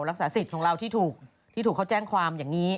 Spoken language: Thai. รักษาสิทธิ์ของเราที่ถูกเขาแจ้งความอย่างนี้